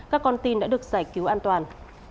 các con tin đã được giải cứu an toàn